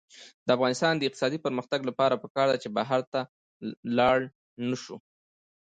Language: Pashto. د افغانستان د اقتصادي پرمختګ لپاره پکار ده چې بهر ته نلاړ شو.